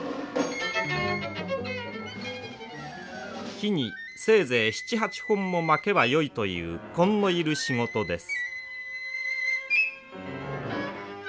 木にせいぜい７８本も巻けばよいという根のいる仕事です。